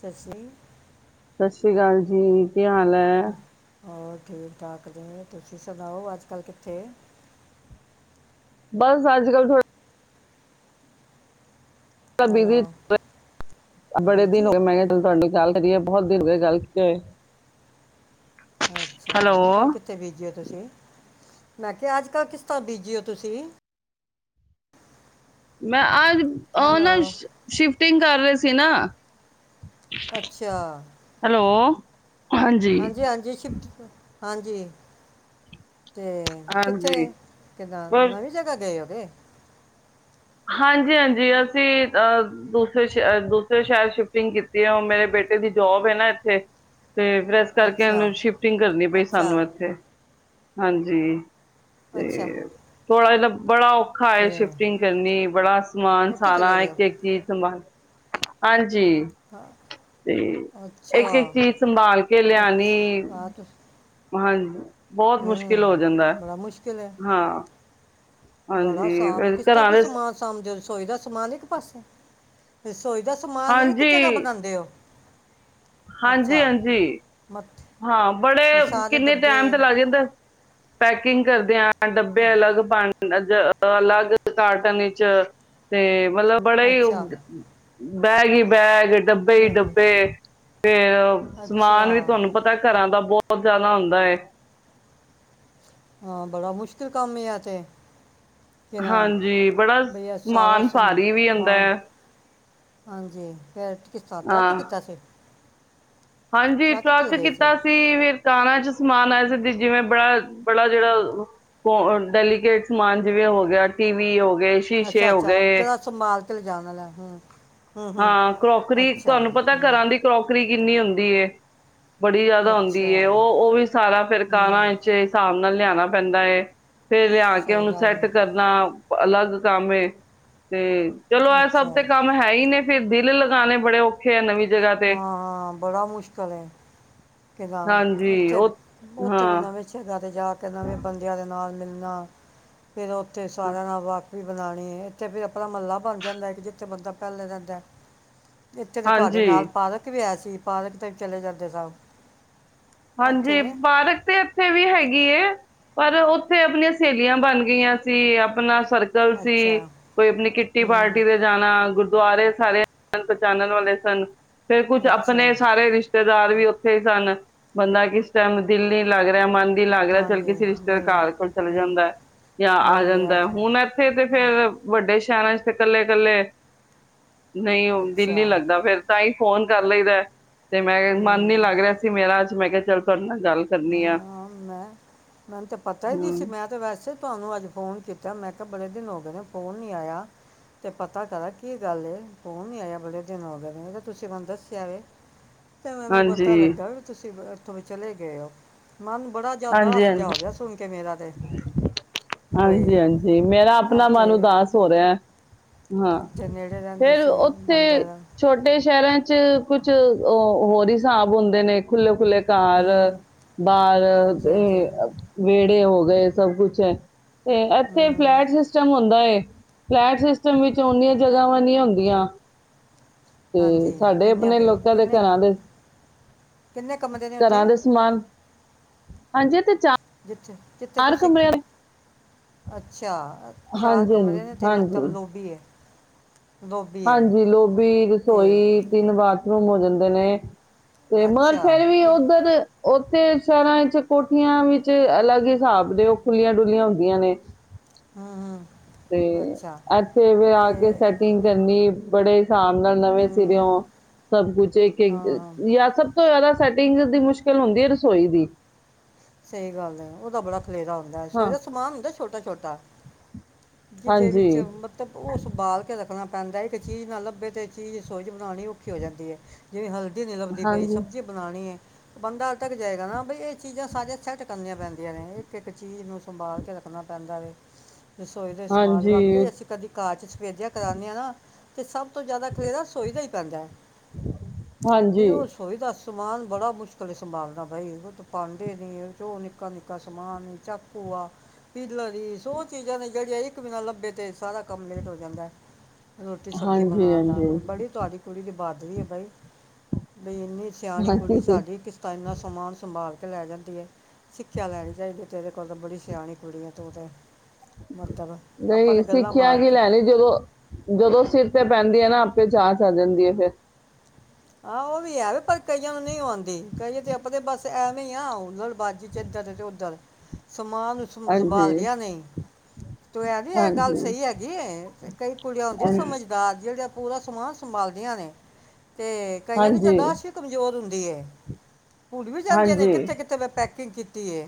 ਸਤਿ ਸ਼੍ਰੀ ਸਤਿ ਸ਼੍ਰੀ ਅਕਾਲ ਜੀ ਕੀ ਹਾਲ ਹੈ। ਹੋਰ ਠੀਕ ਠਾਕ ਜੀ ਤੁਸੀਂ ਸੁਣਾਓ ਅੱਜ ਕੱਲ੍ਹ ਕਿੱਥੇ ਬਸ ਅੱਜ ਕੱਲ ਥੋੜਾ ਹੈਲੋ ਬੜੇ ਦਿਨ ਬੀਜੀ ਹੋਏ ਮੈਂ ਕਿਹਾ ਚ ਤੁਹਾਡੇ ਨਾਲ ਗੱਲ ਕਰੀਏ ਬਹੁਤ ਦਿਨ ਹੋ ਗੱਲ ਕੀਤੇ ਹੋਏ ਹੈਲੋ ਅੱਛਾ ਕੱਲ ਕਿੱਥੇ ਬੀਜੀਓ ਤੁਸੀਂ ਮੈਂ ਕਿਹਾ ਅੱਜ ਕੱਲ੍ਹ ਕਿਸ ਤਰ੍ਹਾਂ ਬੀਜੀ ਹੋ ਤੁਸੀਂ ਮੈਂ ਆਜ ਉਹ ਹੈਲੋ ਨਾ ਸ਼ਿਫਟਿੰਗ ਕਰ ਰਹੇ ਸੀ। ਸੀ ਨਾ ਅੱਛਾ ਹੈਲੋ ਹਾਂਜੀ ਹਾਂਜੀ ਸ਼ਿਫਟ ਹਾਂਜੀ ਅਤੇ ਕਿੱਥੇ ਹਾਂਜੀ ਕਿੱਦਾਂ ਬਸ ਨਵੀਂ ਜਗ੍ਹਾ ਗਏ ਓ [inaudible] ਹਾਂਜੀ-ਹਾਂਜੀ ਅਸੀਂ ਅ ਦੂਸਰੇ ਸ਼ ਦੂਸਰੇ ਸ਼ਹਿਰ ਸ਼ਿਫਟਿੰਗ ਕੀਤੀ ਹੈ ਉਹ ਮੇਰੇ ਬੇਟੇ ਦੀ ਜੋਬ ਹੈ ਨਾ ਇੱਥੇ। ਤੇ ਫੇਰ ਇਸ ਕਰਕੇ ਅੱਛਾ ਇਹਨੂੰ ਸ਼ਿਫਟਿੰਗ ਕਰਨੀ ਪਈ ਅੱਛਾ ਸਾਨੂੰ ਇੱਥੇ। ਹਾਂਜੀ। ਅੱਛਾ ਤੇ ਥੋੜਾ ਜਿ ਬੜਾ ਔ ਔਖਾ ਤੇ ਏ ਸ਼ਿਫਟਿੰਗ ਕਰਨੀ ਬੜਾ ਸਮਾਨ ਉੱਥੇ ਚਲੇ ਸਾਰਾ ਗਏ ਹੋ ਇੱਕ-ਇੱਕ ਚੀਜ਼ ਸੰਭਾਲ ਹਾਂਜ ਜੀ ਤੇ ਇੱਕ-ਇੱਕ ਅੱਛਾ ਚੀਜ਼ ਸੰਭਾਲ ਕੇ ਲਿਆਣੀ ਅੱਛਾ ਹਾਂ ਤੁਸੀਂ ਹਾਂਜ ਬਹੁਤ ਮੁਸ਼ਕਿਲ ਹੂੰ ਹੋ ਜਾਂਦਾ ਹੈ ਬੜਾ ਮੁਸ਼ਕਿਲ ਹੈ ਹਾਂ। ਬੜਾ ਹਾਂਜੀ ਸਾਬ ਫਿਰ ਘਰਾਂ ਕਾਫੀ ਦੇ ਸਮਾਨ ਸਾਂਭਦੇ ਰਸੋਈ ਦਾ ਸਮਾਨ ਇੱਕ ਪਾਸੇ? ਰਸੋਈ ਦਾ ਸਮਾਨ ਇੱਕ ਜਗ੍ਹਾ ਹਾਂਜੀ ਬਣਾਉਂਦੇ ਹੋ? ਹਾਂਜੀ ਅੱਛਾ ਹਾਂਜੀ ਮਤ ਹਾਂ ਬੜੇ ਵੀ ਸਾਰੇ ਕਿੰਨੇ ਡੱਬੇ ਟਾਈਮ ਤੇ ਲੱਗ ਜਾਂਦਾ ਪੈ ਕਿੰਗ ਕਰਦੀਆਂ। ਡੱਬੇ ਅਲੱਗ ਪਾ ਨਜ ਅ ਅਲੱਗ ਕਾਰਟਨ ਇਚ ਤੇ ਮਤਲਬ ਬੜਾ ਈ ਅੱਛਾ ਬੈਗ ਹੀ ਬੈਗ। ਡੱਬੇ ਈ ਫਿਰ ਡੱਬੇ। ਫੇਰ ਅ ਅੱਛਾ ਸਮਾਨ ਵੀ ਤਵਾਨੂ ਪਤਾ ਘਰਾਂ ਦਾ ਬੌਤ ਜਾਦਾ ਹੁੰਦਾ ਏ। ਹਾਂ ਬੜਾ ਮੁਸ਼ਕਿਲ ਕੰਮ ਏ ਐ ਤੇ। ਕਿ ਨਾ ਹਾਂਜੀ, ਬੜਾ ਬਈ ਇਹ ਸਾਰਾ ਸਮਾਨ ਭਾਰੀ ਵੀ ਹੁੰਦਾ। ਸਮਾਨ ਹਾਂਜੀ, ਫੇਰ ਕਿਸ ਤਰ੍ਹਾਂ ਟਰੱਕ ਹਾਂ ਕੀਤਾ ਸੀ? ਹਾਂਜੀ, ਟਰੱਕ ਕੀਤਾ ਸੀ ਫਿਰ ਕਾਰਾਂ ਚ ਸਮਾਨ ਆਇਆ ਸੀ ਜਿਵੇਂ ਬੜਾ ਬੜਾ ਜੇੜਾ ਕੋ ਡੈਲੀਕੇਟ ਸਮਾਨ ਜਿਵੇਂ ਹੋ ਗਿਆ ਟੀ ਵੀ ਹੋ ਗਏ, ਸ਼ੀਸ਼ੇ ਹੋ ਗਏ। ਤੇ ਲਿਜਾਣ ਆਲੈ, ਹੁੰ। [inaudible] ਹਾਂ, ਕਰੋਕਰੀ ਤੁਵਾਂਨੂੰ ਪਤੈ, ਹੂੰ ਘਰਾਂ ਦੀ ਕਰੋਕਰੀ ਕਿੰਨੀ ਹੁੰਦੀ ਏ। ਬੜੀ ਜੈਦਾ ਹੁੰਦੀ ਅੱਛਾ ਏ, ਔ ਔ ਵੀ ਸਾਰਾ ਫਿਰ ਕਾਰਾਂ ਹੂੰ ਇਚ ਸਾਬ ਨਾਲ ਲਿਆਣਾ ਪੈਂਦਾ ਏ। ਫੇਰ ਲਿਆ ਕੇ, ਸਹੀ ਓਨੂੰ ਗੱਲ ਹੈ ਸੈੱਟ ਕਰਨਾ ਅਲੱਗ ਕਾਮ ਏ। ਤੇ ਚਲੋ ਐ ਅੱਛਾ ਸਭ ਤੇ, ਕੰਮ ਹੈ ਹੀ ਨੇ। ਫ਼ਿਰ ਦਿਲ ਲਗਾਣੇ ਬੜੇ ਔਖੇ ਐਂ, ਨਵੀਂ ਜਗ੍ਹਾ ਤੇ ਹਾਂ ਹਾਂ, ਬੜਾ ਮੁਸ਼ਕਿਲ ਏ। ਕਿਨਾਂ ਹਾਂਜੀ ਇੱਥੇ ਉਹ ਉੱਥੇ ਫਿਰ ਹਾਂ ਨਵੇ ਸੈ਼ ਅਤੇ ਜਾ ਤੇ ਨਵੇਂ ਬੰਦਿਆਂ ਦੇ ਨਾਲ ਮਿਲ ਨਾ। ਫਿਰ ਉੱਥੇ ਹਾਂ, ਸਾਰਿਆਂ ਨਾਲ ਵਾ ਵੀ ਬਣਾਂਣੀ ਏ, ਇਥੇ ਫਿਰ ਅਪਣਾ ਮੱਲਾ ਬਣ ਜਾਂਦੈ ਕਿ, ਜਿੱਥੇ ਬੰਦਾ ਪੈਲੇ ਰੈੰਦੈ। ਇੱਥੇ ਤੇ ਤੁਵੈਡੇ ਹਾਂਜੀ ਨਾਲ ਪਾਰਕ ਵੀ ਹੈ ਸ ਸੀ, ਪਾਰਕ ਤੇ ਵੀ ਚਲੇ ਜਾਂਦੇ ਸਓ। ਹਾਂਜੀ, ਪਾਰਕ ਤੇ ਐਥੇ ਵੀ ਹੈਗੀ ਏ। ਪਰ ਉੱਥੇ ਆਪਨੀਆਂ ਸਹੇਲੀਆਂ ਬਨ ਗਈਆਂ ਸੀ, ਆਪਣਾ ਸਰਕਲ ਸੀ ਅੱਛਾ ਹੂੰ ਦੁਆਰੇ ਸਾਰੇ ਆਨਨ- ਪਚਾਚਨ ਵਾਲੇ ਸਨ। ਫਿਰ ਕੁਛ ਅੱਛਾ ਅਪਨੇ ਸਾਰੇ ਰਿਸ਼ਤੇ ਦਾਰ ਵੀ ਉੱਥੇ ਹੀ ਸਨ ਬੰਦਾ ਕਿਸ ਟਾਈਮ ਦਿਲ ਨਹੀਂ ਲੱਗ ਰਿਹਾ, ਮਨ ਲੱਗਦਾ ਚੱਲ ਹਾਂਜੀ ਕਿਸੇ ਰਿਸ਼ਤੇ ਮਿਲ ਘਰ ਕੋਲ ਚਲੇ ਹੂੰ ਜਾਂਦਾ, ਯਾ ਆ ਮਿਲ ਲਿਆ ਜਾੰਦੈ। ਜੀ ਹੁਨ ਐਥੇ ਤੇ ਫਿਰ, ਵਡੇ ਇਕੱਲੇ -ਇਕੱਲੇ ਨਹੀਂ, ਹੁਨ ਦਿਲ ਨੀਂ ਅੱਛਾ ਲਗਦਾ, ਤਾਹੀਂ ਫੋਨ ਕਰ ਲਈਦੈ ਤੇ, ਮਨ ਨੀ ਹੂੰ ਲੱਗ ਰਿਹਾ ਸੀ ਅੱਜ ਮੇਰਾ। ਮੈਂ ਕਿਹਾ ਚੱਲਦਾ ਹਾਂ ਮੈਂ ਮੈਨੂੰ ਤੇ ਪਤਾ ਹੀ ਨਹੀਂ ਹਮ ਸੀ, ਮੈਂ ਤੇ ਵੈਸੇ ਤੁਹਾਨੂੰ ਅੱਜ ਫੋਨ ਕੀਤਾ ਮੈਂ ਕਿਹਾ ਬੜੇ ਦਿਨ ਹੋ ਗਏ ਨੇ, ਫੋਨ ਨੀ ਆਇਆ ਤੇ ਪਤਾ ਕਰਾ ਕੀ ਗੱਲ ਫੋਨ ਨੀ ਆਇਆ, ਬੜੇ ਦਿਨ ਹੋ ਗਏ ਨੇ ਤੁਸੀਂ ਮੈਨੂੰ ਦੱਸਿਆ ਵ। ਤੇ ਮੈਨੂੰ ਪਤਾ ਹਾਂਜੀ ਲੱਗਾ ਵੀ ਤੁਸੀਂ ਓ ਚਲੇ ਗਏ ਓ। ਮਨ ਬੜਾ ਜਾਦਾ ਹਾਂਜੀ ਦਾਸ ਹਾਂਜੀ ਜਾ ਹੋਗੇਆ ਸੁਣ ਕੇ ਮੇਰਾ ਤੇ, ਹਾਂਜੀ ਬਈ ਹਾਂਜੀ ਮੇਰਾ ਆਪਣਾ ਐਥੇ ਮਨ ਉਦਾਸ ਹੋ ਰਿਹਾ ਹੈ। ਹਾਂ, ਫੇਰ ਓਥੇ ਬੰਦਾ ਛੋਟੇ ਸੈ਼ਰ ਚ ਕੁਛ ਓ ਹੋਰ ਈ ਸਾਬ ਹੋਂਦੇ ਨੇ ਖੁੱਲੇ, ਖੁੱਲੇ ਘਾਰ, ਹੂੰ ਬਾਰ ਹਾਂਜੀ ਤੇ ਹਾਂਜੀ [unintelligible] [unintelligible] ਹੋ ਗਏ ਸਬ ਕੁਛ ਏ। ਤੇ ਐਥੇ ਹੂੰ ਫਲੈਟ ਸਿਸਟਮ ਹੋਂਦਾ ਏ। ਫਲੈਟ ਸਿਸਟਮ ਵਿਚ ਓਨੀਆ ਜਗਾਵਾਂ ਨੀ ਹੋਦੀਂਆਂ। ਤੇ ਹਾਂਜੀ ਸਾਡੇ ਕਿੰਨੇ ਅਪਨੇ ਪਏ ਲੋਕਾ ਦੇ ਕਿੰਨੇ ਘਰਾਂ ਦੇ, ਕਿੰਨੇ ਕਮਰੇ ਨੇ ਘਰਾਂ ਉੱਥੇ ਦੇ ਸਮਾਨ ਹਾਂਜੀ ਤੇ ਚਾ ਕਿਥੇ? ਜਿੱਥੇ ਤੁਸ, ਅੱਛਾ ਅ ਚਾਰ ਹਾਂਜੀ ਕਮਰੇ ਨੇ ਹਾਂਜੀ ਤੇ ਮਤਬ ਹਾਂਜੀ ਲੋਬੀ ਐ। ਹਾਂਜੀ, ਲੋਬੀ, ਤੇ ਰਸੋਈ ਤਿਨ ਬਾਥਰੂਮ ਹੋ ਜਾਂਦੇ ਨੇ। ਤੇ ਮਨ ਅੱਛਾ ਫੇਰ ਵੀ ਬ- ਓਦਰ ਓਥੇ ਸੇ਼ਰਾਂ ਵਿੱਚ, ਕੋਠੀਆਂ ਵਿੱਚ, ਅਲਗ ਹਿਸਾਬ ਦੇ ਓ ਖੁਲੀਆ-ਡੁਲੀਆਂ ਹੁੰਦੀਆਂ ਨੇ ਹੂੰ ਹੂੰ ਤੇ ਅੱਛਾ ਐਥੇ ਵੀ ਆ ਤੇ ਕੇ ਸੈਟਿੰਗ ਕਰਨੀ ਬੜੇ [unintelligible] ਨਾਲ ਨਵੇਂ ਹੂੰ ਸਿਰਓ ਸਭ ਕੁਛ ਇੱਕ ਹਾਂ ਹਾਂ ਯ ਸਭ ਤੋਂ ਜ਼ਿਆਦਾ ਸੈਟਿੰਗ ਦੀ ਮੁਸ਼ਕਿਲ ਹੋਂਦੀ ਐ ਰਸੋਈ ਦੀ। ਸਈ ਗੱਲ ਐ, ਓਦਾ ਬੜਾ ਖਲੇਰਾ ਹੁੰਦਾ ਐ। ਰਸੋਈ ਹਾਂ ਦਾ ਸਮਾਨ ਹੁੰਦੈ ਛੋਟਾ ਛ ਛੋਟਾ, ਜਿਦੇ ਹਾਂਜੀ ਵਿੱਚ ਮਤਬ ਓ ਸੰਬਾਲ ਕੇ ਰੱਖਨਾ ਪੈਂਦਾ ਇੱਕ ਚੀਜ ਨਾ ਲੱਬੇ, ਤੇ ਚੀਜ ਰਸੋਈ ਚ ਬਣਾਓਣੀ ਔਖੀ ਹੋ ਜਾਂਦੀ ਐ। ਜਿਵੇਂ ਹਲਦੀ [inaudible] ਨਹੀਂ ਲਭਦੀ ਪਈ ਹਾਂਜੀ ਸਬਜੀ ਬਣਾਣੀ ਏ ਬੰਦਾ [inaudible] ਤੱਕ ਜਾਏਗਾ ਨਾ ਬਈ ਏ ਚੀਜਾ ਸਾਰੇੇਅ [inaudible] ਕਨੀਆਂ ਪੈਂਦੀਆਂ ਨੇ ਇੱਕ- ਇੱਕ ਚੀਜ ਨੂੰ ਸੰਭਾਲ ਕੇ ਰੱਖਨਾ ਪੈਂਦਾ ਵੇ। ਰਸੋਈ ਦਈ ਸਮਾਨ, ਹਾਂਜੀ, ਵਾਕਈ ਅਸੀਂ ਕਦੀ ਘਾਰ ਚ ਸਫੇਦਿਆ ਕਰਾਨੇ ਆਂ ਨਾ ਤੇ ਸਬ ਤੋਂ ਜੈਦਾ ਖਲੇੇਰਾ ਰਸੋਈ ਦਾ ਈ ਕਰਦਾ ਏ। ਹਾਂਜੀ। ਸਮਾਨ ਬੜਾ ਮੁਸ਼ਕਿਲ ਏ ਸੰਭਾਲਣਾ ਬਈ [unintelligible] ਪਾਂਡੇ ਨਹੀਂ ਜੋ ਨਿੱਕਾ-ਨਿੱਕਾ ਸਮਾਨ ਚਾਕੂ ਆ, ਪੀਲਰ ਈ, ਸੋ ਚੀਜ਼ਾਂ ਨੇ ਜਿਹੜੀਆਂ ਇੱਕ ਵੀ ਨਾ ਲੱਭੇ ਤੇ ਸਾਰਾ ਕੰਮ ਲੇਟ ਹੋ ਜਾਂਦਾ ਏ। ਰੋਟੀ ਸਬਜ਼ੀ ਹਾਂਜੀ, ਬਣਾਉਣ ਦਾ, ਹਾਂਜੀ, ਬੜੀ ਤੁਹਾਡੀ ਕੁੜੀ ਦੀ ਬਾਦਰੀ ਏ ਬਈ। ਬਈ ਇੰਨੀ ਸਿਆਣੀ ਕੁੜੀ ਹਾਂਜੀ ਸਾਡੀ, ਕਿਸ ਤਰ੍ਹਾਂ ਇੰਨਾ ਸਮਾਨ ਸੰਭਾਲ ਲੈ ਜਾਂਦੀ ਹੈ। ਸਿੱਖਿਆ ਲੈਣੀ ਚਾਹੀਦੀ ਤੇਰੇ ਕੋਲੋ, ਬੜੀ ਸਿਆਣੀ ਕੁੜੀ ਹੈ ਤੂੰ ਤੇ। ਮਤਲਬ ਆਪਾਂ ਨਹੀਂ ਤੇ ਗੱਲਾਂ ਸਿੱਖਿਆ ਮਾਰ ਕੀ ਕੇ ਲੈਣੀ, ਜਦੋਂ, ਜਦੋਂ ਸਿਰ ਤੇ ਪੈਂ ਜਾਂਦੀ ਹੈ ਨਾ, ਆਪੇ ਜਾਚ ਆ ਜਾਂਦੀ ਹੈ ਫੇਰ। ਆਹੋ ਉਹ ਵੀ ਹੈ ਵੇ, ਪਰ ਕਈਆਂ ਨੂੰ ਨਹੀਂ ਆਉਂਦੀ, ਕਈ ਤੇ ਆਪਣੇ ਬੱਸ ਤੇ ਐਵੇਂ ਹੀ ਆ ਬਾਜੀ ਚ ਇੱਧਰ, ਤੇ ਉੱਧਰ। ਸਮਾਨ ਨੂੰ ਸੰ ਹਾਂਜੀ, ਸੰਭਾਲ ਦਿਆਂ ਨਹੀਂ, ਤੂੰ ਇਹ ਨੀ ਇਹ ਗੱਲ ਹਾਂਜੀ, ਸਹੀ ਹੈਗੀ ਏ, ਤੇ ਕਈ ਕੁੜੀਆਂ ਹੂੰਦੀਆਂ ਹਾਂਜੀ, ਸਮਝਦਾਰ ਜਿਹੜਿਆ ਪੂਰਾ ਸਮਾਨ ਸੰਭਾਲਦੀਆਂ ਨੇ। ਤੇ ਕਈਆਂ ਦੀ ਹਾਂਜੀ, ਯਾਦਾਸ਼ ਵੀ ਕਮਜ਼ੋਰ ਹੁੰ ਦੀ ਹੈ। ਹੁਣ ਵੀ ਜਾਂਦੀਆਂ ਨੇ, ਹਾਂਜੀ। ਕਿੱਥੇ-ਕਿੱਥੇ ਮੈਂ ਪੈ ਕੁਕਿੰਗ ਕੀਤੀ ਏ।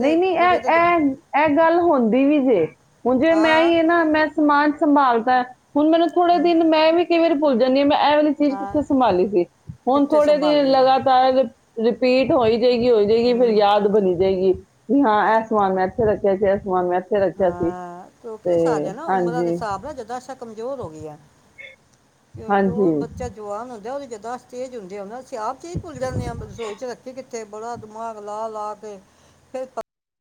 ਨਹੀਂ-ਨਹੀਂ, ਇਹ-ਇਹ, ਇਹ ਗੱਲ ਹੁੰਦੀ ਵੀ ਜੇ। ਹੁਣ ਜਿਵੇੰ ਮੈਂ ਹਾਂ ਹੀ ਨਾ, ਮੈਂ ਸਮਾਨ ਸੰਭਾਲ ਤਾਂ ਏ। ਹੁਣ ਮੈਨੂੰ ਥੋੜੇ ਹਮ, ਦਿਨ ਮੈਂ ਵੀ ਕਈ ਵਾਰੀ ਭੁੱਲ ਜਾਂਦੀ ਹਾਂ ਮੈਂ ਇਹ ਵਾਲੀ ਚੀਜ਼ ਹਾਂ ਕਿੱਥੇ ਸੰਭਾਲੀ ਸੀ? ਹੁਣ ਕਿੱਥੇ ਥੋੜੇ ਦਿਨ ਸੰਭਾਲੀ ਹੈ ਲਗਾਤਾਰ ਰਿਪੀਟ ਹੋਈ ਹੋ ਜਾਏਗੀ, ਹੋ ਜਾਏਗੀ ਫਿਰ ਹਮ, ਯਾਦ ਬਣੀ ਜਾਏਗੀ। ਵੀ ਹਾਂ, ਇਹ ਸਮਾਨ ਮੈਂ ਇੱਥੇ ਰੱਖਿਆ ਸੀ, ਇਹ ਸਮਾਨ ਮੈਂ ਇੱ ਹਾਂ, ਕਿਉਂਕਿ ਸਾਡੇ ਨਾ ਉਮਰਾਂ ਦੇ ਹਾਂਜੀ ਹਿਸਾਬ ਨਾਲ ਜਦਾਂਸ਼ਾ ਕਮਜ਼ੋਰ ਹੋ ਗਈ ਆ। ਤੇ ਉਹ ਜੋ ਹਾਂਜੀ ਬੱਚਾ ਜਵਾਨ ਹੁੰਦਾ ਉਹਵੀ ਜਦਾਸ਼ ਚੇਂਜ ਹੁੰਦੀ [unintelligible] ਅਸੀਂ ਆਪ ਚੀਜ਼ ਭੁੱਲ ਜਾਂਣੇ ਆ, ਰਸੋਈ ਚ ਰੱਖੇ ਤੇ ਬੜਾ ਦਿਮਾਗ ਲਾ-ਲਾ ਕੇ ਫਿਰ